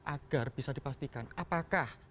agar bisa dipastikan apakah